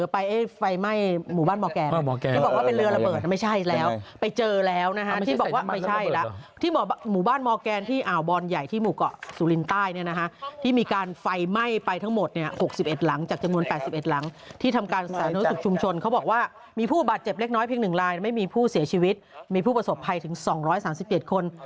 ผิวมันมันเลยนะมันวิ้งมาทั้งโรงเรียน